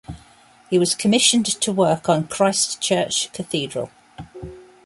He was commissioned to work on Christchurch Cathedral.